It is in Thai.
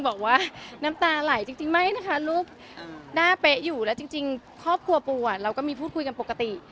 บอกว่าน้ำตาไหลจริงไม่นะคะลูกหน้าเป๊ะอยู่แล้วจริงครอบครัวปูเราก็มีพูดคุยกันปกติ